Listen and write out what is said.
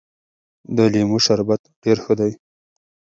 د لیمو شربت ډېر ښه دی.